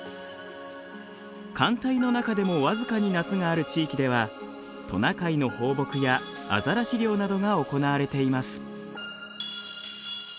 寒帯の中でも僅かに夏がある地域ではトナカイの放牧やアザラシ猟などが行われています。